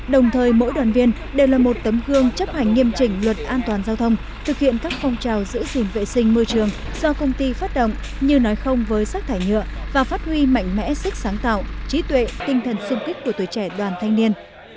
đồng thời mỗi đoàn viên đều là một tấm gương chấp hành nghiêm chỉnh luật an toàn giao thông thực hiện các phong trào giữ gìn vệ sinh môi trường do công ty phát động như nói không với rác thải nhựa và phát huy mạnh mẽ sức sáng tạo trí tuệ tinh thần sung kích của tuổi trẻ đoàn thanh niên